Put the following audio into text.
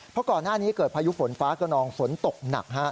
เพราะก่อนหน้านี้เกิดพายุฝนฟ้ากระนองฝนตกหนัก